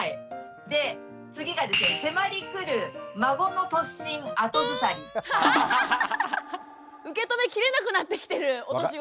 で次がですね受け止めきれなくなってきてるお年頃。